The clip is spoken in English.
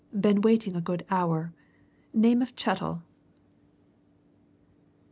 "Been waiting a good hour. Name of Chettle."